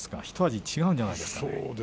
ひと味違うんじゃないですか。